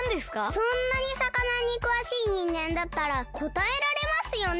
そんなにさかなにくわしいにんげんだったらこたえられますよね？